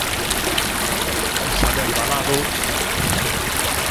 Isabel Balado...